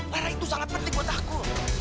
karena itu sangat penting buat aku